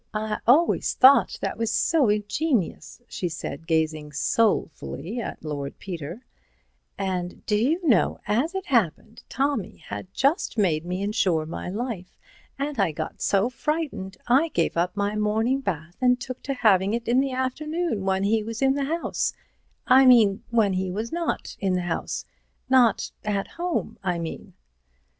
"I always thought that was so ingenious," she said, gazing soulfully at Lord Peter, "and do you know, as it happened, Tommy had just made me insure my life, and I got so frightened, I gave up my morning bath and took to having it in the afternoon when he was in the House—I mean, when he was not in the house—not at home, I mean."